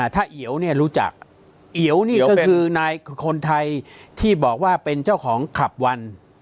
ถ้าเอียวเนี่ยรู้จักเอียวนี่ก็คือนายคนไทยที่บอกว่าเป็นเจ้าของคลับวัน